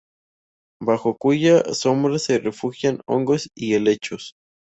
Bajo cuya sombra se refugian hongos y helechos.